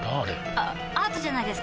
あアートじゃないですか？